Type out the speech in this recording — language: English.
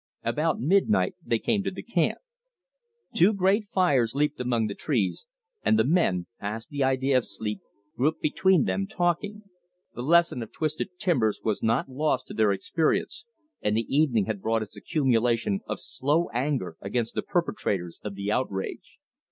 About midnight they came to the camp. Two great fires leaped among the trees, and the men, past the idea of sleep, grouped between them, talking. The lesson of twisted timbers was not lost to their experience, and the evening had brought its accumulation of slow anger against the perpetrators of the outrage.